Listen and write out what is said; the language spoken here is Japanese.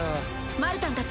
マルタンたちは？